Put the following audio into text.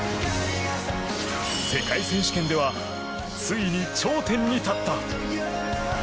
世界選手権ではついに頂点に立った。